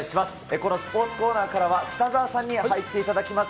このスポーツコーナーからは、北澤さんに入っていただきます。